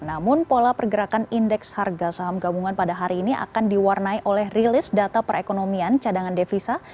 namun pola pergerakan indeks harga saham gabungan pada hari ini akan diwarnai oleh rilis data perekonomian cadangan devisa